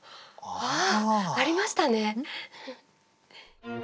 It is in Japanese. ああありましたね。